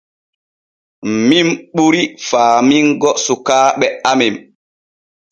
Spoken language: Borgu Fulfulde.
Min ɓuri faamingo sukaaɓe amen.